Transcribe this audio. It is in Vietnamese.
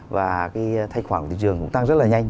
và cái thanh khoản của thị trường cũng tăng rất là nhanh